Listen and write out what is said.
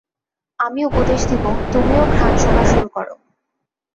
আমি উপদেশ দিবো তুমিও ঘ্রাণ শোঁকা শুরু করো।